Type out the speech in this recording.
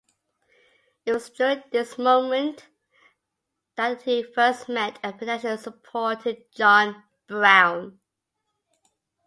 It was during this movement that he first met and financially supported John Brown.